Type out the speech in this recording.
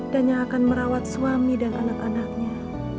dan yang akan merawat suami dan anak anaknya